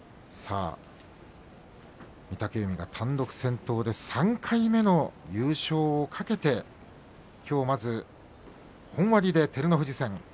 御嶽海が単独先頭で３回目の優勝を懸けてきょうまず本割で照ノ富士戦。